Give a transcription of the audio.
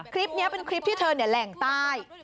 คลิปนี้เป็นคลิปที่เธอแหล่งใต้